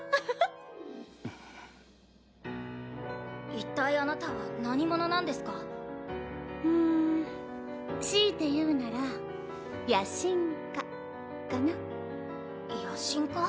一体あなたは何者なんですかんん強いて言うなら野心家かな野心家？